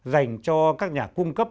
dành cho các nhà cung cấp